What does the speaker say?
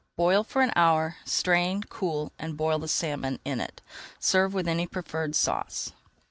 Boil for an hour, strain, cool, and boil the salmon in it. Serve with any preferred sauce.